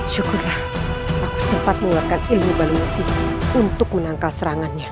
syukurlah aku sempat mengeluarkan ilmu balusi untuk menangkal serangannya